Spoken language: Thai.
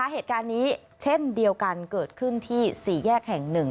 เหตุการณ์นี้เช่นเดียวกันเกิดขึ้นที่สี่แยกแห่งหนึ่ง